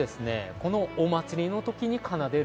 このお祭りのときに奏でる。